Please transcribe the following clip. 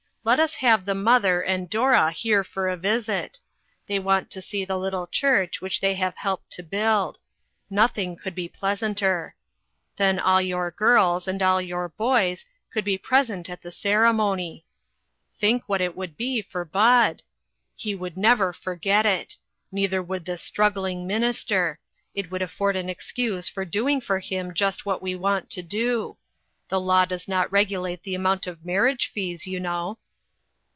Let us have the mother and Dora here for a visit. They want to see the lit tle church which they have helped to build. Nothing could be pleasanter. Then all your girls, and all your boys, could be present at the ceremony. Think what that would be for Bud! He would never forget it. Neither would this struggling minister ; it would afford an excuse for doing for him just what we want to do. The law does not regulate the amount of marriage fees, you know."